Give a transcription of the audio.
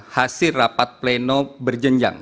hasil rapat pleno berjenjang